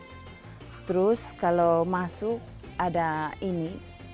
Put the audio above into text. lagi lagi kalau masuk ada ini